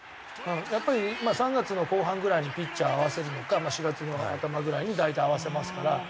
やっぱり３月の後半ぐらいにピッチャー合わせるのか４月の頭ぐらいに大体合わせますから。